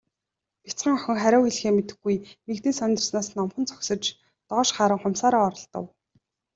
Бяцхан охин хариу юу хэлэхээ мэдэхгүй, мэгдэн сандарснаас номхон зогсож, доош харан хумсаараа оролдов.